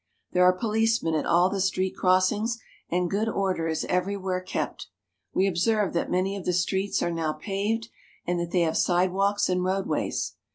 There are policemen at all the street crossings, and good order is everywhere kept. We observe that many of the streets are now paved and that they have sidewalks and roadways.